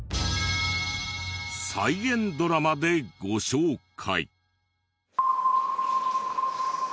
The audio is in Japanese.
再現ドラマでご紹介。